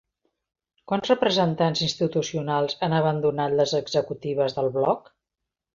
Quants representants institucionals han abandonat les executives del Bloc?